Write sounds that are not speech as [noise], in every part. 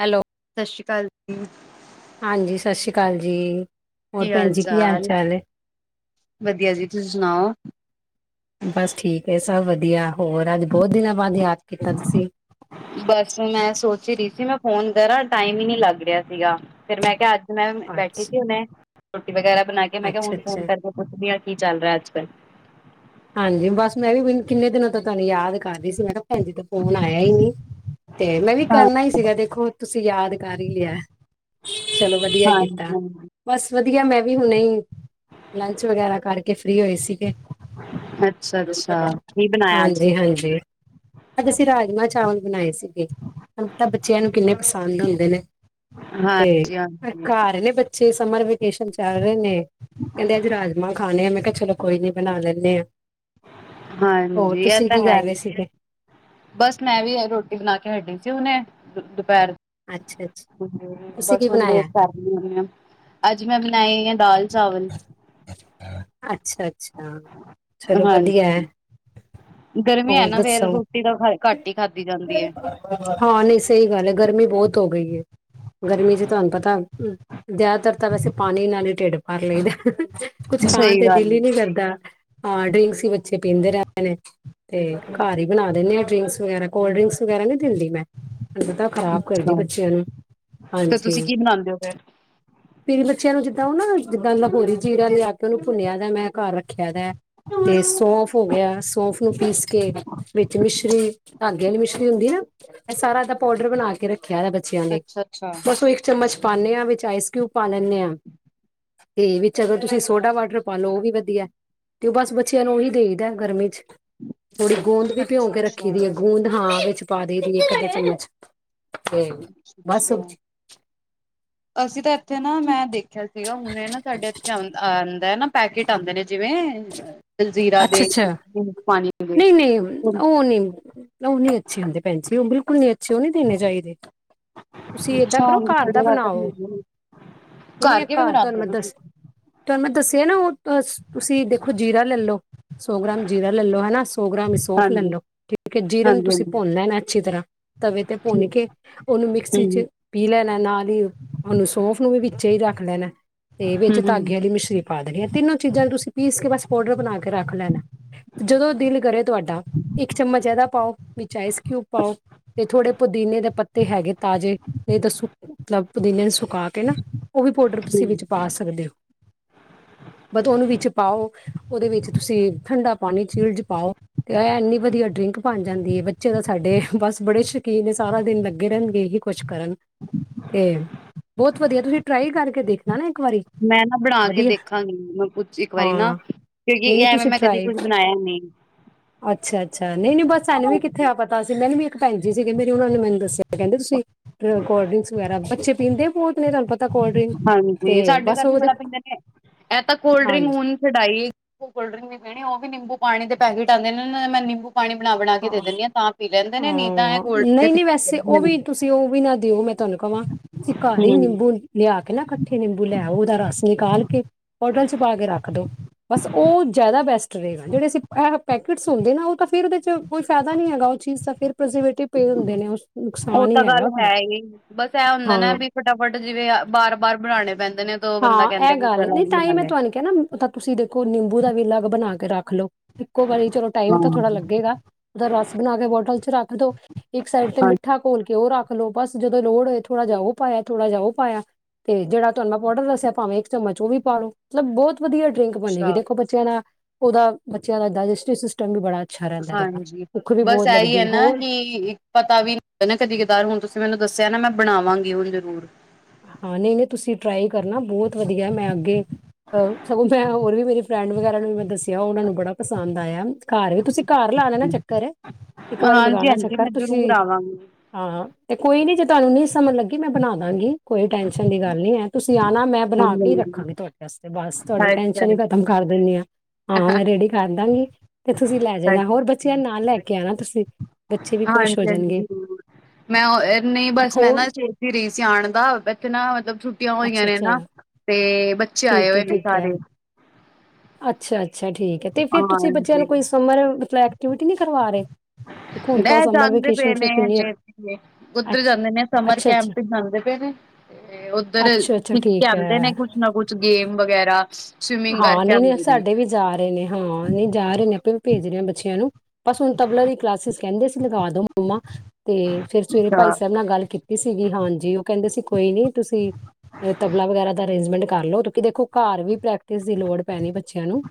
Hello ਸ੍ਰੀ ਅਕਾਲ ਜੀ। ਠੀਕ ਹਾਂਜੀ ਸਤਿ ਸ੍ਰੀ ਅਕਾਲ ਜੀ। ਹੋਰ ਕੀ ਭੈਣ ਹਾਲ ਜੀ ਚਾਲ ਹੈ ਵਧੀਆ ਜੀ ਤੁਸੀ ਸੁਣਾਓ ਇਹ ਸਭ ਵਧੀਆ। ਹੋਰ ਅੱਜ ਬਹੁਤ ਦਿਨਾਂ ਬਾਅਦ ਯਾਦ ਕੀਤਾ ਤੁਸੀ। ਬਸ ਮੈਂ ਸੋਚ ਹੀ ਰਹੀ ਸੀ ਮੈਂ ਫੋਨ ਟਾਈਮ ਈ ਨੀ ਲੱਗ ਸੀਗਾ ਫੇਰ ਮੈਂ ਕਿਆ ਅੱਜ--ਟਾਈਮ ਮੈਮ ਬੈਠੀ ਅੱਛਾ ਸੀ ਹੁਣੇ। ਰੋਟੀ ਵਗੈਰਾ ਬਣਾ ਕੇ ਮੈਂ ਕਿਆ ਅੱਛਾ ਹੁਣ ਫੋਨ ਅੱਛਾ ਕਰਕੇ ਪੁੱਛਦੀ ਆ ਕਿ ਚੱਲ ਰਾ ਅੱਜ-ਕੱਲ? ਹਾਂਜੀ ਬਸ ਮੈਂ ਵੀ ਕਿੰਨੇ ਦਿਨਾਂ ਤੋਂ ਯਾਦ ਕਰ ਰਹੀ ਸੀ ਭੈਜੀ ਤਾਂ ਫੋਨ ਆਇਆ ਹੀ ਨਹੀਂ, ਤੇ ਮੈਂ ਵੀ ਹਾਂ ਕਰਨਾ ਹੀ ਸੀਗਾ ਦੇਖੋ ਤੁਸੀਂ ਯਾਦ ਕਰ ਹੀ ਲਿਆ, ਚਲੋ ਵਧੀਆ ਕੀਤਾ। ਹਾਂਜੀ। ਹਾਂਜੀ, ਬਸ ਵਧੀਆ ਮੈਂ ਵੀ ਹੁਣੇ ਹੀ, ਲੰਚ ਵਗੈਰਾ ਕਰਕੇ ਫ੍ਰਰੀ ਹੋਏ ਸੀਗੇ। ਅੱਛਾ ਅੱਛਾ, ਕੀ ਬਣਾਇਆ ਅੱਜ? ਹਾਂਜੀ [unintelligible] ਰਾਜਮਾਂ ਚਾਵਲ ਬਣਾਏ ਸੀਗੇ। ਤਵਾਣੁ ਪਤਾ ਬੱਚਿਆਂ ਨੂੰ ਕਿੰਨੇ ਪਸੰਦ ਹੁੰਦੇ ਨੇ, ਤੇ ਹਾਂਜੀ ਹਾਂਜੀ। ਘਾਰ ਨੇ ਬ ਛੇ ਸਮਰ ਵੀ ਵਕੇਸ਼ਨ ਚੱਲ ਰਹੇ ਨੇ, ਕਹਿੰਦੇ ਅੱਜ ਰਾਜਮਾਂ ਖਾਨੇ ਆ, ਮੈਂ ਕਿਹਾ ਚਲੋ ਕੋਈ ਨੀ, ਬਣਾ ਲੈਣ [inaudible] ਹਾਂਜੀ, ਇਹ ਤੁਸੀਂ ਤਾਂ ਕੀ ਹੈ ਕਰ ਹੀ, ਰਹੇ ਸੀਗੇ ਬਸ ਮੈਂ ਵੀ ਰੋਟੀ ਬਨਾ ਕੇ ਹਟੀ ਸੀ, ਹੂਨੇ। ਦੁਪਹਿਰ ਅੱਛਾ ਅੱਛਾ ਬ [unintelligible] ਤੁਸੀਂ ਕੀ ਬਣਾਇਆ ਅੱਜ ਮੈਂ ਬਣਾਈ ਹ ਅੱਛਾ, ਅੱਛਾ। ਚਲੋ ਹਾਂਜੀ ਵਧੀਆ ਐ। ਗਰਮੀ ਹੈ ਹੋਰ ਨਾ ਫੇਰ ਦੱਸੋ, ਰੋਟੀ ਤਾਂ ਖ ਘੱਟ ਹੀ ਖਾਧੀ ਜਾਂਦੀ ਹੈ। ਹਾਂ ਨਹੀਂ ਸਹੀ ਗੱਲ ਹੈ, ਗਰਮੀ ਬਹੁਤ ਹੋ ਗਈ ਏ, ਗਰਮੀ ਚ ਤੁਹਾਨੂੰ ਪਤਾ ਜ਼ਿਆਦਾਤਰ ਤਾਂ ਵੈਸੇ ਪਾਣੀ ਨਾਲ ਹੀ ਢਿੱਡ ਪਰ ਲਈ ਦੈ। ਕੁਛ ਖਾਨ ਸਹੀ ਤੇ ਗੱਲ ਦਿਲ ਹੀ ਨਹੀਂ ਕਰਦਾ, ਹਾਂ ਡਰਿੰਕਸ ਹੀ ਬੱਚੇ [unintelligible] ਤੇ ਘਰ ਹੀ ਬਨਾ ਦਿੰਨੇ ਆ ਡਰਿੰਕਸ ਵਗੈਰਾ। ਕੋਲਡ ਡਰਿੰਕਸ ਵਗੈਰਾ ਨੀ ਦਿੰਦੀ ਮੈਂ। ਪਤਾ ਖ਼ਰਾਬ ਕਰਦੀ ਹੈ ਬੱਚਿਆਂ ਨੂੰ। ਤੇ ਹਾਂਜੀ। ਤੁਸੀਂ ਕੀ ਬਣਾਉਂਦੇ ਹੋ ਫੇਰ? ਫੇਰੀ ਬੱਚਿਆਂ ਨੂੰ ਜਿੱਦਾਂ ਉਹ ਨਾ [unintelligible] ਜਿੱਦਾਂ ਲਹੋਰੀ ਜੀਰਾ ਲਿਆ ਕੇ, ਉਹਨੂੰ ਭੁੰਨਿਆ ਦਾ, ਮੈਂ ਘਰ ਰੱਖਿਆ ਰਿਆ ਤੇ ਸੌਫ ਹੋ ਗਿਆ, ਸੌਫ ਨੂੰ ਪੀਸ ਕੇ, ਵਿੱਚ ਮਿਸ਼ਰੀ ਧਾਗੇ ਵਾਲੀ ਮਿਸ਼ਰੀ ਹੁੰਦੀ ਨਾ, ਇਹ ਸਾਰਾ ਇਹਦਾ ਪਾਊਡਰ ਬਣਾ ਕੇ ਰੱਖਿਆ ਬੱਚਿਆਂ ਲਈ, ਅੱਛਾ ਅੱਛਾ ਬਸ ਓ ਇੱਕ ਚਮਚ ਪਾਨੇਆਂ ਵਿੱਚ, ਆਈਸਕਊਬ ਪਾ ਲੈਂਨੇ ਆ। ਤੇ ਵਿੱਚ ਅਗਰ ਤੁਸੀਂ ਸੋਡਾ ਵਾਟਰ ਪਾ ਲਓ, ਉਹ ਵੀ ਵਧੀਆ, ਤੇ ਉਹ ਬਸ ਬੱਚਿਆਂ ਨੂੰ ਉਹੀ ਦੇਈਦੈ ਗਰਮੀ ਚ। ਥੋੜੀ ਗੂੰਦ ਵੀ ਭਿਉਂ ਅੱਛਾ ਕੇ ਰੱਖੀ ਅੱਛਾ ਦੀ ਹੈ, ਗੂੰਦ ਹਾਂ ਵਿੱਚ ਪਾ ਦਈ ਦੀਏ ਇੱਕ, ਅਦਾ ਚੑਮਚ। [inaudible] ਅਸੀਂ ਤਾਂ ਇੱਥੇ ਨਾ ਮੈਂ ਦੇਖਿਆ [inaudible] ਸੀਗਾ ਹੁਣੇ ਨਾ ਸਾਡੇ ਇੱਥੇ ਅ- ਅ - [unintelligible] ਹੁੰਦੈ ਨਾ, ਪੈਕੇਟ ਆਂਦੇ ਨੇ ਜਿਵੇਂ ਜਲਜੀਰਾ ਦੇ ਅੱਛਾ-ਅੱਛਾ, ਪਾਣੀ ਦੇ ਨਹੀਂ- ਨਹੀਂ, ਉਹ ਨਹੀਂ, ਉਹ ਨਹੀਂ ਅੱਛੇ ਹੁੰਦੇ ਪੇਨਜੀ ਬਿਲਕੁਲ। ਓਹ ਨਹੀ ਅੱਛੇ! ਉਹ ਨਹੀਂ ਦੇਣੇ ਚਾਹੀਦੇ ਤੁਸੀਂ ਏਦਾਂ ਕਰੋ ਘਾਰ ਦਾ ਬਣਾਓ, ਇਹਨ ਕਿਵੇਂ ਘਰ ਤੁਹਾਨੂੰ ਬਣਾਉਂਦੇ ਹੋ ਮੈਂ ਤੁਸੀਂ? ਦੱਸ ਤੁਹਾਨੂੰ ਮੈਂ ਦੱਸਿਆ ਨਾ ਉਹ ਤੁਸੀਂ ਜੀਰਾ ਲੈ ਲੋ, ਸੌ ਗ੍ਰਾਮ ਜੀਰਾ ਲੈ ਲੋ ਹੇਨਾ ਸੌ ਗ੍ਰਾਮ ਈ ਸੌਂਫ ਲੇ ਹਾਂਜੀ ਲੋ। ਠੀਕ ਏ, ਜੀਰੇ ਨੂੰ ਹਾਂਜੀ ਤੁਸੀਂ ਭੁੰਨ ਹਾਂਜੀ ਲੈਨਾ ਅੱਛੀ ਤਰ੍ਹਾਂ ਤਵੇ ਤੇ ਭੁੰਨ ਕੇ, ਉਹਨੂੰ ਮਿਕਸੀ ਹਮ ਚ ਪੀ ਲੈਨਾ ਨਾਲ ਹੀ ਉਹਨੂੰ ਸੌਂਫ ਨੂੰ ਵੀ- ਵਿਚੇ ਈ ਰੱਖ ਲੈਨਾਏ। ਤੇ ਵਿੱਚ ਹਮ ਧਾਗੇ ਵਾਲੀ ਮਿਸ਼ਰੀ ਪਾ ਦੇਨੀ। ਅ ਤਿੰਨੋ ਚੀਜ਼ਾਂ ਨੂੰ ਤੁਸੀਂ ਪੀਸ ਕੇ ਬਸ ਪਾਊਡਰ ਬਨਾ ਕੇ ਰੱਖ ਲੈਨਾਏ। ਜਦੋਂ ਦਿਲ ਕਰੇ ਤੁਹਾਡਾ, ਇੱਕ ਚਮਚ ਇਹਦਾ ਪਾਓ ਵਿਚ ਆਈਸਕਿਊਬ ਪਾਓ, ਤੇ ਥੋੜੇ ਪੁਦੀਨੇ ਦੇ ਪੱਤੇ ਹੈਗੇ ਤਾਜ਼ੇ ਨਈ ਤਾਂ ਸੁ ਮਤਲਬ ਪੁਦੀਨੇ ਨੂੰ ਸੁਕਾ ਕੇ ਨਾ- ਉਹ ਵੀ ਪੋਡਰ ਤੁਸੀ ਹਮ ਵਿੱਚ ਪਾ ਸਕਦੇ ਓ। ਬ ਓਨੂੰ ਵਿਚ ਪਾਓ ਉਹਦੇ ਵਿੱਚ ਤੁਸੀਂ ਠੰਡਾ ਪਾਨੀ ਚੀਲਡ ਪਾਓ ਤੇ ਇਹ ਇੰਨੀ ਵਧੀਆ ਡਰਿੰਕ ਬਨ ਜਾਂਦੀ ਏ। ਬੱਚੇ ਦਾ ਸਾਡੇ ਬਸ ਬੜੇ ਸ਼ੌਕੀਨ ਨੇ ਸਾਰਾ ਦਿਨ ਲੱਗੇ ਰਹਿਨਗੇ ਏਹੀ ਕੁਛ ਕਰਨ। ਤੇ ਬਹੁਤ ਵਧੀਆ ਤੁਸੀਂ ਟਰਾਈ ਕਰਕੇ ਦੇਖਨਾ ਨਾ ਏ। ਮੈਂ ਨਾ ਬਨਾ ਕੇ ਦੇਖਾਂਗੀ। ਮੈਂ ਕੁਚਿ ਹਾਂ, ਨਹੀਂ, ਨਹੀਂ ਤੁਸੀਂ ਟਰਾਈ। ਬਣਾਇਆ ਨਹੀਂ। ਅੱਛਾ, ਅੱਛਾ ਨਹੀਂ, ਨਹੀਂ ਬਸ ਸਾਨੂ ਵੀ ਕਿੱਥੇ ਆ ਪਤਾ ਸੀ ਮੈਨੂੰ ਵੀ ਇੱਕ ਪੈਨਜੀ ਸੀਗੇ ਮੇਰੀ ਉਹਨਾ ਨੇ ਮੈਨੂੰ ਦੱਸ ਕਹਿੰਦੇ ਤੁਸੀਂ ਕ ਕੋਲਡ ਡਰਿੰਕਸ ਵਗੈਰਾ ਬੱਚੇ ਪੀਂਦੇ ਭੋ [unintelligible] ਹਾਂਜੀ, ਸਾਡੇ ਘਰ ਵੀ ਬੜਾ ਪੀਂਦੇ ਨੇ। ਇਹ ਤਾਂ ਕੋਲਡ ਡਰਿੰਕ ਹਾਂਜੀ ਹੁਨ ਛਡਾਈ ਕੋਲਡ ਡਰਿੰਕ ਨੀ ਪੀਨੀ। ਉਹ ਵੀ ਨਿੰਬੂ ਪਾਣੀ ਦੇ ਪੈਕੇਟ ਆਂਦੇ ਨੇ ਨਾ ਮੈਂ ਨਿੰਬੂ ਪਾਣੀ ਬਣਾ ਬਣਾ ਕੇ ਦੇ ਹਾਂ, ਦਿੰਦੀ ਤਾਂ ਪੀ ਲੈਂਦੇ ਨੇ ਨੀ ਤਾਂ ਇਹ ਆਂ, ਕੋਲਡ ਦੇ ਨਹੀਂ, ਨਹੀਂ ਪਿੱਛੇ ਵੈਸੇ ਰਹਿੰਦੇ ਉਹ ਨੇ ਵੀ ਤੁਸੀਂ ਉਹ ਵੀ ਨਾ ਦਿਓ ਮੈਂ ਤੁਹਾਨੂੰ ਕਵਾਂ ਤੁਸੀਂ ਘਰ ਈ ਹੂੰ ਨਿੰਬੂ ਲਿਆ ਕੇ ਕੇ ਨਾ ਇਕੱਠੇ ਨਿੰਬੂ ਲੈਓ, ਉਹਦਾ ਰਸ ਨਿਕਾਲ ਕੇ, ਬੋਟਲ ਚ ਪਾ ਕੇ ਰੱਖ ਦੋ। ਬਸ ਉਹ ਜ਼ਿਆਦਾ ਬੈਸਟ ਰੇਗਾ। ਜਿਹੜੇ ਸੀ ਆ ਪੈਕਟਸ ਹੁੰਦੇ ਨਾ ਉਹ ਤਾਂ ਫਿਰ ਦੇ ਚ ਕੋਈ ਫਾਇਦਾ ਨਹੀਂ ਹੈਗਾ ਉਹ ਚੀਜ਼ ਤਾਂ ਫੇਰ। ਉਹ ਹੀ ਤਾਂ ਹੈਗਾ ਗੱਲ ਉਹਦਾ ਹੈ ਈ, ਬਸ ਇਹ ਹੁੰਦਾ ਨਾ ਹਾਂ ਵੀ ਫਟਾਫਟ ਜਿਵੇਂ ਬਾਰ ਬਾਰ ਬਨਾਨੇ ਪੈਂਦ ਹਾਂ, ਇਹ ਗੱਲ ਏ। ਨਈ ਤਾਂ ਈ ਮੈਂ ਤੁਹਾਨੂੰ ਕੇਹਾ ਨਾ ਤਾਂ ਤੁਸੀਂ ਦੇਖੋ ਨਿੰਬੂ ਦਾ ਵੀ ਅਲੱਗ ਬਨਾ ਕੇ ਕਰਾ। ਰੱਖ ਲੋ। ਇੱਕੋ ਵਾਰੀ ਚਲੋ ਟਾਈਮ ਹਾਂ ਤਾਂ ਥੋੜਾ ਲੱਗੇਗਾ। ਉਹਦਾ ਰਸ ਬਨਾ ਕੇ ਬੋਟਲ ਚ ਰੱਖ ਦੋ। ਇੱਕ ਸਾਈਡ ਤੇ ਹਾਂਜੀ ਮਿੱਠਾ ਘੋਲ ਕੇ ਉਹ ਰੱਖ ਲੋ ਬਸ ਜਦੋਂ ਲੋੜ ਹੋਏ ਥੋੜਾ ਜਾ ਓ ਪਾਇਆ, ਥੋੜਾ ਜਾ ਓ। ਪਾਇਆ, ਤੇ ਜਿਹੜਾ ਤੁਹਾਨੂੰ ਪੌਡਰ ਦੱਸਿਆ ਭਾਵੇਂ ਇੱਕ ਚਮਚ ਉਹ ਵੀ ਪਾ ਲੋ। ਮਤਲਬ ਬੋਤ ਵਧੀਆ ਡਰਿੰਕ ਬਨੇਗੀ। ਅੱਛਾ ਦੇਖੋ ਬੱਚਿਆਂ ਨਾਲ ਉਹਦਾ ਬੱਚਿਆਂ ਦਾ ਡਾਇਜੈਸਟਿਵ ਸਿਸਟਮ ਵੀ ਬੜਾ ਅੱਛਾ ਰਹਿੰਦਾ ਇਹਦੇ ਨਾਲ ਹਾਂਜੀ, ਭੁੱਖ ਵੀ ਬਸ ਬਹੁਤ ਏਈ ਏ ਲੱਗਦੀ ਨਾ ਹੋਰ ਕਿ ਪਤਾ ਵੀ ਨਾ ਕਦੀ ਕਦਾਰ ਹੁਨ ਤੁਸੀਂ ਮੈਨੂੰ ਦੱਸਿਆ ਨਾ ਮੈਂ ਬਨਾਵਾਂਗੀ ਹੁਨ ਜ਼ਰੂਰ। ਹਾਂ, ਨਹੀਂ, ਨਹੀਂ ਤੁਸੀਂ ਟਰਾਈ ਕਰਨਾ ਬੋਤ ਵਧੀਆ ਮੈਂ ਅੱਗੇ ਅਹ ਸਗੋਂ ਮੈਂ ਹੋਰ ਵੀ ਮੇਰੀ ਫਰੈਂਡ ਵਗੈਰਾ ਨੂੰ ਵੀ ਮੈਂ ਦੱਸਿਆ ਉਹਨਾਂ ਨੂੰ ਬੜਾ ਪਸੰਦ ਆਇਆ। ਘਰ ਵੀ ਤੁਸੀਂ ਘਰ ਲਾ ਲ ਨਾ ਚੱਕਰ ਹੈ ਇੱਕ ਵਾਰੀ ਹਾਂਜੀ ਲਗਾਣਾ ਹਾਂਜੀ ਚੱਕਰ ਮੈਂ ਜ਼ਰੂਰ ਤੁਸੀਂ ਆਵਾਂਗੀ ਹਾਂ ਤੇ ਕੋਈ ਨੀ ਜਿੱ ਤੁਹਾਨੂੰ ਨਹੀਂ ਸਮਝ ਲੱਗੀ ਮੈਂ ਬਣਾ ਦਾਂਗੀ। ਕੋਈ ਟੈਨਸ਼ਨ ਦੀ ਗੱਲ ਨੀ ਹੈ ਤੁਸੀਂ ਆਣਾ ਮੈਂ ਬਣਾ ਹਾਂਜੀ ਕੇ ਹੀ ਹਾਂਜੀ ਰੱਖਾਂਗੀ ਤੁਹਾਡੇ ਵਾਸਤੇ ਬਸ ਤੁਹਾਡੀ ਟੈਂਨਸ਼ਨ ਹੀ ਅੱਛਾ-ਅੱਛਾ, ਖਤਮ ਕਰ ਦਿੰਦੀ ਹਾਂ। ਹਾਂ ਮੈਂ ਰੇਡੀ ਕਰ ਦਾਂਗੀ ਤੇ ਤੁਸੀਂ ਲੈ ਜਾਣਾ ਅੱਛਾ ਹੋਰ ਬੱਚਿਆਂ ਨਾਲ ਲੈ ਕੇ ਆਣਾ ਤੁਸੀਂ ਬੱਚੇ ਵੀ ਖ਼ੁਸ਼ ਹੋ ਹਾਂਜੀ-ਹਾਂਜੀ ਜਾਣਗੇ। ਜ਼ਰੂਰ। ਮੈਂ ਅ ਨਹੀਂ ਬਸ ਮੈਂ ਹੋਰ ਨਾ ਸੋਚਦੀ ਰਹੀ ਸੀ ਆਣ ਨਾ ਮਤਲਬ ਛੁੱਟੀਆਂ ਹੋਈਆਂ ਅੱਛਾ ਨੇ ਅੱਛਾ ਨਾ ਤੇ ਬੱਚੇ ਆਏ ਹੋਏ ਨੇ ਸਾਰੇ ਅੱਛਾ ਅੱ ਹਾਂਜੀ ਮਤਲਬ ਐਕਟੀਵਿਟੀ ਨਹੀਂ ਕਰਵਾ ਰਹੇ ਦੇਖੋ ਹੁਣ ਤਾਂ ਸਮਰ ਜਾਂਦੇ ਪਏ ਵੇਕੇਸ਼ਨ ਚ ਕਿੰਨੀ ਨੇ ਉਧਰ ਅੱਛ ਜਾਂਦੇ ਨੇ ਸਮਰ ਕੈਂਪ ਅੱਛਾ-ਅੱਛਾ, ਚ ਜਾਂਦੇ ਪਏ ਨੇ ਤੇ ਉਧਰ ਅੱਛਾ-ਅੱਛਾ ਸਿੱਖ ਕੇ ਠੀਕ ਆਉਂਦੇ ਹੈ ਨੇ ਕੁਛ ਨਾ ਕੁਛ ਗੇਮ ਵਗੈਰਾ। ਸਵਿਮਿੰਗ ਹਾਂ ਕਰਕੇ ਨਹੀਂ ਨਹੀਂ ਆਂਦੇ ਨੇ ਸਾਡੇ ਵੀ ਜਾ ਰਹੇ ਨੇ। ਹਾਂ ਨਹੀਂ ਜਾ ਰਹੇ ਨੇ ਆਪਾਂ ਵੀ ਭੇਜ ਰਹੇ ਹਾਂ ਬੱਚੇ। ਨੂੰ ਬਸ ਹੁਣ ਤਬਲਾ ਦੀ ਕਲਾਸਿਸ ਕਹਿੰਦੇ ਸੀ। ਲਗਾ ਦੋ ਮੰਮਾ ਤੇ ਫੇਰ ਸਵੇਰੇ ਭਾਈ ਅੱਛਾ ਸਾਹਿਬ ਨਾਲ ਗੱਲ ਕੀਤੀ ਕੀਤੀ ਸੀਗੀ ਹਾਂਜੀ ਉਹ ਕਹਿੰਦੇ ਸੀ ਕੋਈ ਨੀ ਤੁਸੀਂ ਤਬਲਾ ਵਗੈਰਾ ਦਾ ਅਂਰੇਂਜਮੈਂਟ ਕਰ ਲਓ ਕਿਉਂਕੀ ਦੇਖੋ ਘਰ ਵੀ ਪ੍ਰੈਕ ਟਿਸ ਦੀ ਲੋੜ ਪੈਣੀ ਬੱਚਿਆਂ ਨੂੰ,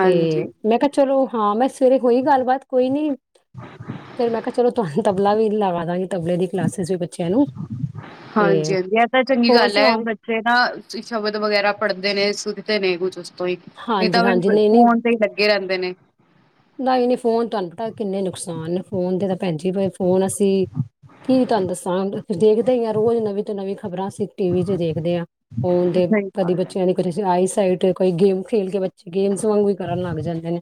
ਤੇ ਮੈਂ ਕਿਹਾ ਚਲੋ ਹਾਂ ਮੈਂ ਫਿਰ ਇਹ ਹੋਈ ਗੱਲਬਾਤ ਕੋਈ ਨੀ ਫੇਰ ਮੈਂ ਕਿਹਾ ਚਲੋ ਤੁਹਾਨੂੰ ਤਬਲਾ ਵੀ ਲਗਾ ਦਾਂਗੇ ਤਬਲੇ ਦੀ ਕਲਾਸਿਸ ਵੀ ਬੱਚਿਆਂ ਨੂੰ। ਤੇ ਹਾਂਜੀ ਹਾਂਜੀ ਇਹ ਤਾਂ ਚੰਗੀ ਹੋਰ ਗੱਲ ਹੈ ਸੁਣਾਓ ਬੱਚੇ ਨਾ ਸ਼ਬਦ ਵਗੈਰਾ ਪੜ੍ਹਦੇ ਨੇ ਇਸ ਦੇ ਨੇ ਕੁਛ ਤੋਂ ਹੀ ਨਹੀਂ ਤਾਂ ਹਾਂਜੀ ਹਾਂਜੀ ਫ ਨਹੀਂ ਨਹੀਂ ਫੋਨ ਤੇ ਹੀ ਲੱਗੇ ਰਹਿੰਦੇ ਨੇ। ਨਹੀਂ ਨਹੀਂ ਫੋਨ ਤੁਹਾਨੂੰ ਪਤਾ ਕਿੰਨੇ ਨੁਕਸਾਨ ਨੇ ਫੋਨ ਦੇ ਤਾਂ ਭੈਣਜੀ ਫੋਨ ਕੀ ਤੁਹਾਨੂੰ ਦੱਸਾਂ ਦੇਖਦੇ ਹੀ ਆ ਰੋਜ਼ ਨਵੀਂ ਤੋਂ ਨਵੀਂ ਖ਼ਬਰਾਂ ਅਸੀਂ ਟੀ ਵੀ ਚ ਦੇਖਦੇ ਹਾਂ, ਫੋਨ ਦੇ ਸਈ ਕਦੇ ਗੱਲ ਬੱਚਿਆਂ ਦੀ ਕੁਝ ਆਈ ਸਾਈਟ ਕੋਈ ਗੇਮ ਖੇਲ ਕੇ ਬੱਚੇ ਗੇਮਸ ਵਾਂਗ ਵੀ ਕਰਨ ਲੱਗ ਜਾਂਦੇ ਨੇ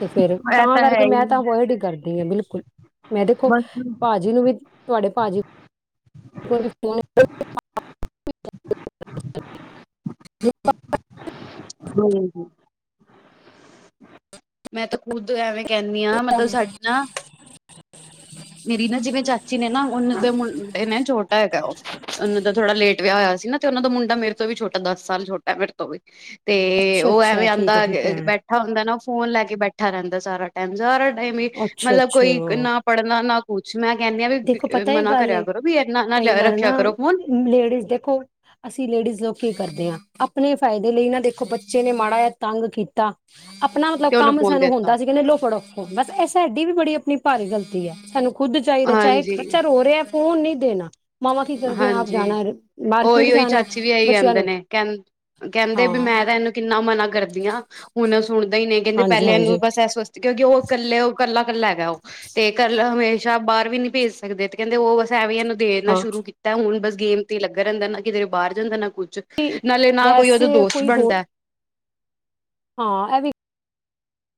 ਤੇ ਫੇਿਰ ਐ, ਐ ਤਾਂ ਹੈ ਕਰਕੇ ਮੈਂ ਈ ਤਾਂ ਵਹੀ ਡ ਕਰਦੀ ਜ ਬਿਲਕੁਲ ਮੈਂ ਦੇਖੋ ਬਸ ਭਾਜੀ ਨੂੰ ਵੀ ਤੁਹਾਡੇ ਪਾਜੀ ਫੋਨ ਹੂੰ ਮੈਂ ਤਾਂ ਖੁਦ ਐਵੇਂ ਕਹਿਣੀ ਹਾਂ ਮਤਲਬ ਸਾਡੀ ਨਾ [unintelligible] ਮੇਰੀ ਨਾ ਜਿਵੇਂ ਚਾਚੀ ਨੇ ਨਾ ਉਹਨਾਂ ਦੇ ਮੁੰਡੇ ਨੇ ਛੋਟਾ ਹੈਗਾ ਉਹਨਾਂ ਦਾ ਥੋੜਾ ਲੇਟ ਵਿਆਹ ਹੋਇਆ ਸੀ ਨਾ ਤੇ ਉਹਨਾਂ ਦਾ ਮੁੰਡਾ ਮੇਰੇ ਤੋਂ ਵੀ ਛੋਟਾ ਦਸ ਸਾਲ ਛੋਟਾ ਮੇਰੇ ਤੋਂ ਵੀ ਤੇ ਅੱਛਾ ਉਹ ਅੱਛਾ ਐਵੇਂ ਠੀਕ ਆਂਦਾ ਹੈ ਠੀਕ ਹੈ ਬੈਠਾ ਹੁੰਦਾ ਨਾ ਫੋਨ ਲੈ ਕੇ ਬੈਠਾ ਰਹਿੰਦਾ ਸਾਰਾ ਟਾਈਮ ਸਾਰਾ ਅੱਛਾ ਮਤਲਬ ਕੋਈ ਅੱਛਾ ਨਾ ਪੜ੍ਹ ਨਾ ਦੇਖੋ ਪਤਾ ਹੀ ਗੱਲ ਕਰਿਆ ਕਰੋ ਵੀ ਇਨਾ ਨਾ ਕਈ ਵਾਰ ਰੱਖਿਆ ਨਾ ਕਰੋ ਫੋਨ ਲੇਡੀਜ਼ ਦੇਖੋ ਅਸੀਂ ਲੇਡੀਜ਼ ਲੋਕ ਕੀ ਕਰਦੇ ਹਾਂ ਆਪਣੇ ਫਾਇਦੇ ਲਈ ਨਾ ਦੇਖੋ ਬੱਚੇ ਨੇ ਮਾੜਾ ਜਿਹਾ ਤੰਗ ਕੀਤਾ ਆਪਣਾ ਮਤਲਬ ਤੇ ਉਹਨੂੰ ਕੰਮ ਫੋਨ ਸਾਨੂੰ ਦਿੱਤਾ ਹੁੰਦਾ ਸੀ ਕਹਿੰਦੇ ਲੋ ਫੜੋ ਮਤਲਬ ਇਹ ਸਾਡੀ ਵੀ ਬੜੀ ਕਿੰਨੀ ਭਾਰੀ ਗ਼ਲਤੀ ਹੈ ਸਾਨੂੰ ਖੁੱਦ ਚਾਹੀਦਾ ਚਾਹੇ ਹਾਂਜੀ ਬੱਚਾ ਰੋ ਰਿਹਾ ਫੋਨ ਨਹੀਂ ਦੇਣਾ ਮਾਵਾਂ ਕੀ ਕਰਦੀਆਂ ਆਪ ਹਾਂਜੀ ਜਾਣਾ ਮਾਰਕੀਟ ਓਹੀ ਉਹੀ ਜਾਣਾ ਚਾਚੀ ਵੀ ਆਹੀ ਬੱਚਿਆਂ ਕਹਿੰਦੇ ਨੂੰ ਨੇ ਕਹ ਕਹਿੰਦੇ ਵੀ ਹਾਂ ਮੈਂ ਤਾਂ ਇਹਨੂੰ ਕਿੰਨਾ ਮਨਾ ਕਰਦੀਆਂ ਹੁਣ ਸੁਣਦਾ ਹੀ ਨਹੀਂ ਕਹਿੰਦੇ ਹਾਂਜੀ ਪਹਿਲਿਆਂ ਇਹਨੂੰ ਹਾਂਜੀ ਬਸ ਇਸ ਵਾਸਤੇ ਕਿਉਂਕਿ ਉਹ ਇਕੱਲੇ ਉਹ ਇਕੱਲਾ ਇਕੱਲਾ ਹੈਗਾ ਉਹ ਤੇ ਇਕਲਾ ਹਮੇਸ਼ਾ ਬਾਹਰ ਵੀ ਨਹੀਂ ਭੇਜ ਸਕਦੇ ਤੇ ਕਹਿੰਦੇ ਉਹ ਬਸ ਐ ਵੀ ਇਹਨ ਦੇਨਾ ਹਾਂ ਸ਼ੁਰੂ ਤਾਂ ਹੁਣ ਬਸ ਗੇਮ ਤੇ ਲੱਗਾ ਰਹਿੰਦਾ ਨਾ ਕਿਤੇ ਬਾਹਰ ਜਾਂਦਾ ਨਾ ਕੁਛ ਨਾਲੇ ਨਾ ਕੋਈ ਉਹਦਾ ਵੈਸੇ ਦੋਸਤ ਕੋਈ ਹੋਰ ਬਣਦਾ ਹਾਂ ਇਹ ਵੀ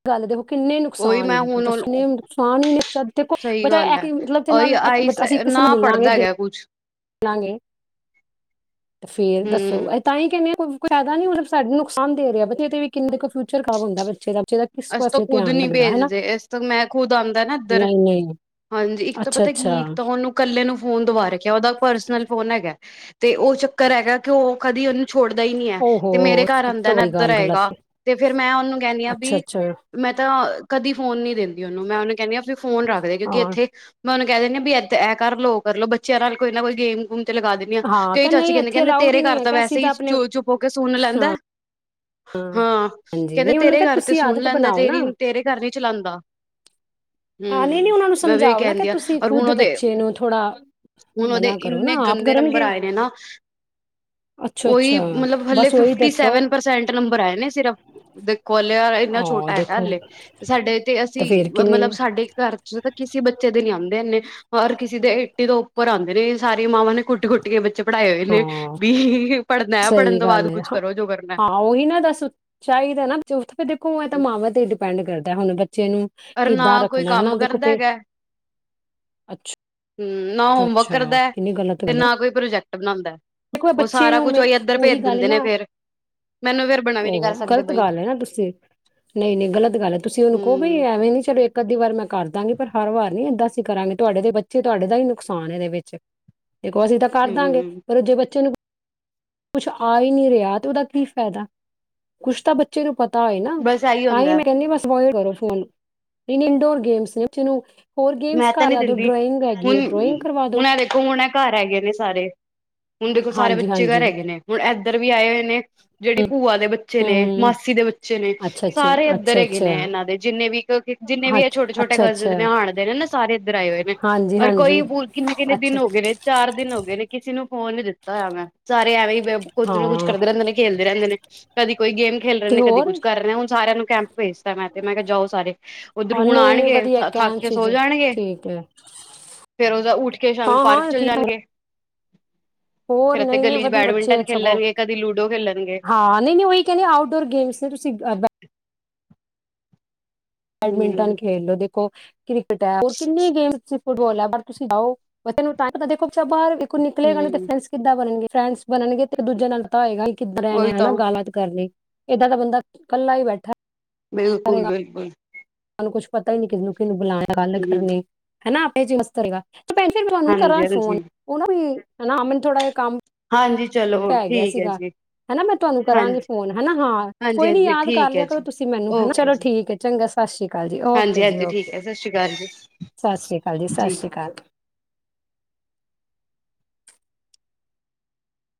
ਗੱਲ ਦੇਖ ਕਿੰਨੇ ਉਹੀ ਨੁਕਸਾਨ ਮੈਂ ਨੇ ਹੁਣ ਦੱਸੇ ਨੁਕਸਾਨ ਹੀ ਨੇ ਬਾ ਸਹੀ ਗੱਲ ਹੈ ਮਤਲਬ ਉਹੀ ਨਾਲ ਆਈ ਅਸੀਂ ਕਿਸੇ ਨੂੰ ਨਾ ਮਿਲਾਂਗੇ ਪੜ੍ਹਦਾ ਹੈਗਾ ਕੁਛ ਮਿਲਾਂਗੇ ਫੇਰ ਦੱਸੋ ਹਮ ਇਹ ਤਾਂ ਹੀ ਕਹਿਣੀ ਕੋਈ ਫਾਇਦਾ ਨੀ ਮਤਲਬ ਸਾਡਾ ਨੁਕਸਾਨ ਦੇ ਰਿਹਾ ਬ ਇਹ ਵੀ ਕਿੰਨੇ ਫਿਊਚਰ ਖਰਾਬ ਹੁੰਦਾ ਬੱਚੇ ਦਾ ਦਾ ਕਿਸ ਅਸੀਂ ਤਾਂ ਪਾਸੇ ਖੁਦ ਧਿਆਨ ਨੀ ਲੱਗਦਾ ਹਨਾ ਭੇਜਦੇ ਇਸ ਤੋਂ ਮੈਂ ਖੁਦ ਆਂਦਾ ਨਾ ਇੱਧਰ ਨਹੀਂ ਨਹੀਂ ਹਾਂ ਹਾਂਜੀ ਇੱਕ ਤਾਂ ਅੱਛਾ ਪਤਾ ਅੱਛਾ ਕੀ ਇੱਕ ਤਾਂ ਉਹਨੂੰ ਇਕੱਲੇ ਨੂੰ ਫੋਨ ਦਬਾ ਰੱਖਿਆ ਉਹਦਾ ਪਰਸਨਲ ਫੋਨ ਹੈਗਾ ਤੇ ਉਹ ਚੱਕਰ ਹੈਗਾ ਕਿ ਉਹ ਕਦੀ ਉਹਨੂੰ ਛੋੜਦਾ ਹੀ ਨੀ ਹੈ ਓਹੋ ਤੇ ਮੇਰੇ ਘਰ ਸਭ ਆਂਦਾ ਤੋਂ ਨਾ ਵੱਡੀ ਇੱਧਰ ਗੱਲ ਗਲਤ ਆਏਗਾ ਤੇ ਫੇਰ ਮੈਂ ਉਹਨੂੰ ਕਹਿਣੀ ਹਾਂ ਅੱਛਾ ਵੀ ਅੱਛਾ ਮੈਂ ਤਾਂ ਕਦੀ ਫੋਨ ਨਹੀਂ ਦਿੰਦੀ ਉਹਨੂੰ ਮੈਂ ਉਹਨੂੰ ਕਹਿੰਦੀ ਹਾਂ ਫੋਨ ਰੱਖਦੇ ਕਿਉਂਕਿ ਹਾਂ ਇੱਥੇ ਮੈਂ ਉਹਨੂੰ ਕਹਿ ਦਿੰਦੇ ਵੀ ਇੱਦ ਇਹ ਕਰ ਲੋ ਕਰ ਲੋ ਬੱਚਿਆਂ ਨਾਲ ਕੋਈ ਨਾ ਕੋਈ ਗੇਮ ਗੂਮ ਤੇ ਲਗਾ ਦਿਨੀ ਹਾਂ ਤੇ ਕ ਉਹੀ ਚਾਚੀ ਨਹੀਂ ਕਹਿੰਦੇ ਇੱਥੇ ਕਹਿੰਦੇ ਅਲਾਊਡ ਹੀ ਤੇਰੇ ਘਰ ਨਹੀਂ ਹੈ ਤਾਂ ਕਿ ਅਸੀਂ ਵੈਸੇ ਹੀ ਆਪਣੇ ਚ ਚੁੱਪ ਹੋ ਕੇ ਸੁਣ ਹਾਂ ਲੈਂਦਾ ਹਾਂ ਹਾਂਜੀ ਕਹਿੰਦੇ ਨਹੀਂ ਉਹਨਾਂ ਨੂੰ ਤੇਰੇ ਕਿਹਾ ਘਰ ਤੇ ਤੁਸੀਂ ਆਦਤ ਚਲਾਦਾ ਬਣਾਓ ਨਾ ਤੇਰੀ ਤੇਰੇ ਘਰ ਨ ਚਲਾਦਾ ਆ ਨਹੀਂ ਨਹੀਂ ਹੂੰ ਉਹਨਾਂ ਨੂੰ ਮੈਂ ਵੀਹੀ ਸਮਝਾਓ ਨਾ ਕਿ ਕਹਿੰਦੀ ਆ ਤੁਸੀਂ ਰ ਹੁਣ ਖੁਦ ਉਹਦੇ ਬੱਚੇ ਨੂੰ ਥੋੜਾ ਹੁਣ ਉਹਦੇ ਮਨਾ ਕਰੋ ਨਾ ਇੰਨੇ ਆਪ ਗੰਦੇ ਨੰਬਰ ਕਰਨਗੇ ਆਏ ਨੇ ਨਾ ਅੱਛਾ ਉਹੀ ਅੱਛਾ ਮਤਲਬ ਹਲੇੇ ਬਸ ਉਹੀ ਫਿਫਟੀ ਦੱਸੋ ਸਵਨ ਪਰਸੈਂਟ ਨੰਬਰ ਆਏ ਨੇ ਸਿਰਫ ਦੇ ਕੋਲ ਨਾ ਹਾਂ ਛੋਟਾ ਹੈ ਨਾ ਦੇਖੋ ਹਾਲੇ ਸਾਡੇ ਤੇ ਅਸੀਂ ਫੇਰ ਕਿੰਨੀ ਮਤਲਬ ਸਾਡੇ ਇੱਕ ਖਰਚ ਤਾਂ ਕਿਸੇ ਬੱਚੇ ਦੇ ਨੀ ਆਦੇ ਇਨੇ ਹਰ ਕਿਸੇ ਦੇ ਏਟੀ ਤੋਂ ਉੱਪਰ ਆਦੇ ਨੇ ਸਾਰੀਆਂ ਮਾਵਾਂ ਨੇ ਕੁੱਟ ਕੁੱਟ ਕੇ ਬੱਚੇ ਪੜ੍ਹਾਏ ਹੋਏ ਨੇ ਹਾਂ ਵੀ ਪੜ੍ਹਨਾ ਆ ਪੜ੍ਹਨ ਸਹੀ ਤੋਂ ਗੱਲ ਬਾਅਦ ਹੈ ਕੁਛ ਹਾਂ ਕਰੋ ਜੋ ਕਰਨਾ। ਹਾਂ ਉਹੀ ਨਾ ਦੱਸ ਚਾਹੀਦਾ ਨਾ ਤੇ ਉੱਥੇ ਦੇਖੋ ਏ ਤਾਂ ਮਾਵਾਂ ਤੇ ਹੀ ਡਿਪੈਂਡ ਕਰਦਾ। ਹੁਣ ਬੱਚੇ ਨੂੰ ਨਾ ਕਿੱਦਾਂ ਕੋਈ ਰੱਖਣਾ ਹਨਾ ਕੰਮ ਦੇਖੋ ਕਰਦਾ ਪੇ ਹੈਗਾ ਅੱਛਾ ਹੂੰ ਨਾ ਹੋਮਵਰਕ ਅੱਛਾ ਕਰਦਾ ਕਿੰਨੀ ਗਲਤ ਤੇ ਗੱਲ ਆ ਨਾ ਕੋਈ ਪ੍ਰੋਜੈਕਟ ਬਣਾਉਂਦਾ ਦੇਖੋ ਉਹ ਬੱਚੇ ਸਾਰਾ ਨੂੰ ਕੁਛ ਮੇ ਇੱਧਰ ਉਹੀ ਭੇਜ ਗੱਲ ਦਿੰਦੇ ਨੇ ਨਾ ਫੇਰ ਮੈਨੂੰ ਫੇਰ ਬਣਾ ਵੀ ਨੀ ਉਹ ਕਰ ਸਕਦੇ ਗ਼ਲਤ ਬਈ ਗੱਲ ਹੈ ਨਾ ਤੁਸੀਂ ਨਹੀਂ ਨਹੀਂ ਗ਼ਲਤ ਗੱਲ ਹੈ ਤੁਸੀਂ ਉਹਨੂੰ ਕਹੋ ਵੀ ਹਮ ਐਵੇਂ ਨੀ ਚਲੋ ਇੱਕ ਅੱੀ ਵਾਰ ਮੈਂ ਕਰ ਦਾਂਗੀ ਪਰ ਹਰ ਵਾਰ ਨੀ ਏਦਾਂ ਅਸੀਂ ਕਰਾਂਗੇ ਤੁਹਾਡੇ ਦੇ ਬੱਚੇ ਤੁਹਾਡੇ ਦਾ ਹੀ ਨੁਕਸਾਨ ਇਹਦੇ ਵਿੱਚ। ਦੇਖੋ ਅਸੀਂ ਤਾਂ ਕਰ ਦਾਂਗੇ ਹਮ ਜੇ ਬੱਚੇ ਨੂੰ ਕੁਛ ਆ ਹੀ ਨਹੀਂ ਰਿਹਾ ਤੇ ਉਹਦਾ ਕੀ ਫਾਇਦਾ ਕੁਛ ਤਾਂ ਬੱਚੇ ਨੂੰ ਪਤਾ ਏ ਨਾ ਬਸ ਇਹੀ ਤਾਂ ਹੀ ਹੁੰਦਾ ਮੈਂ ਕਹਿੰਦੀ ਬਸ ਕਰੋ ਇੰਡੋਰ ਗੇਮਸ ਨੇ ਬਚੇ ਨੂੰ ਹੋਰ ਗੇਮਸ ਮੈਂ ਤਾਂ ਨੀ ਕਰਾ ਦੋ ਦਿੰਦੀ ਡਰਾਇੰਗ ਹੈਗੀ ਹੈ ਹੁਣ ਡਰਾਇੰਗ ਕਰਵਾ ਦੋ ਹੁਣ ਦੇਖੋ ਹੁਣ ਐ ਘਰ ਹੈਗੇਏ ਨੇ ਸਾਰੇ ਹੁਣ ਦੇਖੋਲ ਸਾਰੇ ਹਾਂਜੀ ਬੱਚੇ ਘਰ ਹਾਂਜੀ ਹੈਗੇ ਨੇ ਹੁਣ ਇੱਧਰ ਵੀ ਆਏ ਹੋਏ ਨੇ। ਜਿਹੜੀ ਭੂਆ ਦੇ ਬੱਚੇ ਨੇ ਹੂੰ ਮਾਸੀ ਦੇ ਬੱਚੇ ਨੇ ਅੱਛਾ ਅੱਛਾ ਸਾਰੇ ਇੱਧਰ ਅੱਛਾ ਹੈਗੇ ਅੱਛਾ ਨੇ ਇਹਨਾਂ ਦੇ ਜਿੰਨੇ ਵੀ ਜਿੰਨੇ ਹਾਂ ਵੀ ਇਹ ਛੋਟੇ ਛੋਟੇ ਅੱਛਾ ਅੱਛਾ ਕਜ਼ਨ ਨੇ ਆਣ ਨਾ ਸਾਰੇ ਇੱਧਰ ਆਏ ਹੋਏ ਨੇ ਹਾਂਜੀ ਔਰ ਕੋਈ ਹਾਂਜੀ ਕਿੰਨੇ ਕਿੰਨੇ ਅੱਛਾ ਦਿਨ ਹੋ ਅੱਛਾ। ਗਏ ਨੇ ਚਾਰ ਦਿਨ ਹੋ ਗਏ ਨੇ ਕਿਸੇ ਨੂੰ ਫੋਨ ਨੀ ਦਿੱਤਾ ਹੋਇਆ ਮੈਂ ਸਾਰੇ ਐਵੇਂ ਹੀ ਕੁੱਝ ਨਾ ਕੁੱਝ ਹਾਂ ਕਰਦੇ ਰਹਿੰਦੇ ਨੇ ਖੇਲਦੇ ਰਹਿੰਦੇ ਨੇ। ਕਦੀ ਕੋਈ ਗੇਮ ਖੇਲ ਰਹੇ ਤੇ ਨੇ ਕਦੇ ਹੋਰ ਕੁੱਛ ਕਰ ਰਹੇ ਹੁਣ ਸਿਆਂ ਨੂੰ ਕੈਂਪ ਭੇਜਤਾ ਮੈਂ ਤੇ ਮੈਂ ਕਿਹਾ ਜਾਓ ਸਾਰੇ ਉੱਧਰ ਹਾਂ ਹੁਣ ਨਹੀਂ ਨਹੀਂ ਆਣਗੇ ਵਧੀਆ ਥੱਕ ਕੈਮ ਕੇ ਸੀ ਸੋ ਜੇ ਜਾਣਗੇ ਠੀਕ ਹੈ ਫੇਰ ਉਹਦਾ ਉੱਠ ਕੇ ਸ਼ਾਮੀ ਹਾਂ ਪਾਰਕ ਹਾਂ ਚਲੇ ਠੀਕ ਜਾਣਗੇ। ਫੇਰ ਹੋਰ ਇੱਥੇ ਨਹੀਂ ਨਹੀਂ ਗਲੀ ਚ ਵਧੀਆ ਬੈਡਮਿੰਟਨ ਬੱਚੇ ਸਗੋਂ ਖੇਲਣਗੇ ਕਦੀ ਲੂਡੋ ਖੇਲਣਗੇ ਹਾਂ ਨਹੀਂ ਨਹੀਂ ਉਹੀ ਕਹਿੰਦੇ ਆਊਟਡੋਰ ਗੇਮਸ ਨੇ ਤੁਸੀਂ ਬੈਡਮਿੰਟਨ ਹੂੰ ਖੇਡ ਲੋ ਦੇਖੋ। ਕ੍ਰਿਕਟ ਹੈ ਹੋਰ ਕਿੰਨੇ ਗੇਮ ਚ ਫੁੱਟਬਾਲ ਹੈ ਪਰ ਤੁਸੀਂ ਜਾਓ ਤੈਨੂੰ ਟਾਈਮ ਦੇਖੋ ਬਾਹਰੋ ਨਿਕਲੇਗਾ ਨੀ ਹੂੰ ਫਰੈਂਡਸ ਕਿੱਦਾਂ ਬਣਨਗੇ। ਫਰੈਂਡਸ ਬਣਨਗੇ ਤੇ ਦੂਜੇ ਨਾਲ ਤਾਂ ਹੋਏਗਾ ਕਿੱਧਰ ਇਹ ਨੇ ਉਹੀ ਤਾਂ ਹਨਾ ਗੱਲਾਤ ਕਰਨ ਲਈ ਏਦਾਂ ਦਾ ਬੰਦਾ ਕੱਲਾ ਹੀ ਬੈਠਾ ਬਿਲਕੁਲ ਬਿਲਕੁਲ ਕੁਛ ਪਤਾ ਹੀ ਨਹੀਂ ਕਿੰਨੂ ਕਿੰਨੂ ਬੁਲਾਇਆ ਗੱਲ ਹੂੰ ਕਰਨੀ ਹਨਾ ਪੇ ਜੀ ਮਸਤ ਰਏਗਾ ਭੈਣ ਜੀ ਕਰਾਂ ਹਾਂਜੀ ਫੋਨ ਹਾਂਜੀ ਉਹਨਾਂ ਵੀ ਹਨਾ ਮੇਨ ਥੜਾ ਇਹ ਕੰਮ ਹਾਂਜੀ ਚਲੋ ਪੈ ਗਿਆ ਠੀਕ ਹੈ ਸੀਗਾ ਜੀ ਹਨਾ ਮੈਂ ਤੁਹਾਨੂੰ ਕਰਾਂਗੀ ਹਾਂਜੀ ਫੋਨ ਹਨਾ ਹਾਂ ਹਾਂਜੀ ਕੋਈ ਨੀ ਹਾਂਜੀ ਯਾਦ ਕਰ ਠੀਕ ਹੈ ਲਿਆ ਕਰੋ ਜੀ ਤੁਸੀਂ ਮੈਨੂੰ ਹਨਾ ਓਕੇ ਚਲੋ ਜੀ ਠੀਕ ਹੈ ਚੰਗਾ ਪਲਾਸਟਿਕ ਜੀ ਓਕੇ ਹਾਂਜੀ ਜੀ ਹਾਂਜੀ ਓਕੇ ਠੀਕ ਹੈ ਸਤਿ ਸ਼੍ਰੀ ਅਕਾਲ ਜੀ ਸਤਿ ਸ੍ਰੀ ਅਕਾਲ ਜੀ ਸਤਿ ਸ਼੍ਰੀ ਅਕਾਲ